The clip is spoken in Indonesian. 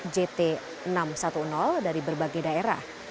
jt enam ratus sepuluh dari berbagai daerah